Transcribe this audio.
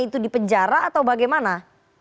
itu di penjara atau bagaimana